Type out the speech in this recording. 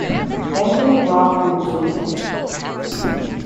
Anthony rocked in glee.